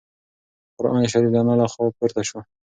قرانشریف د انا له خوا پورته شو.